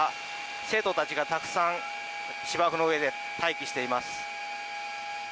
生徒たちがたくさん芝生の上で待機しています。